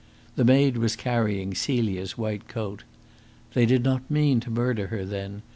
The maid was carrying Celia's white coat. They did not mean to murder her, then.